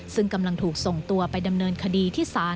ซึ่งกำลังถูกส่งตัวไปดำเนินคดีที่ศาล